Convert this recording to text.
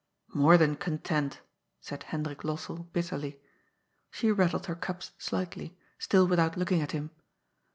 "^ More than content," said Hendrik Lossell bitterly. She rattled her cups slightly, still without looking at him.